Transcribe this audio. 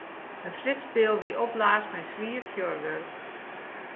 In flitspeal wie opblaasd mei swier fjurwurk.